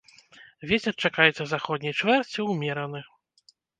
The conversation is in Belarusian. Вецер чакаецца заходняй чвэрці, умераны.